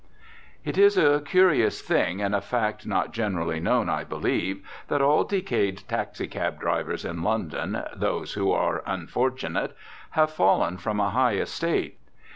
It is a curious thing, and a fact not generally known, I believe, that all decayed taxicab drivers in London, those who are unfortunate, have fallen from a high estate.